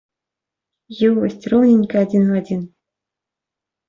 Ёсць, роўненька адзін у адзін.